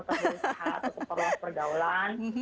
tetap berusaha pergaulan